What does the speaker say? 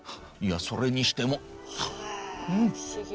いやそれにしてもうん！